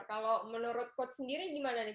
kalau menurut coach sendiri gimana nih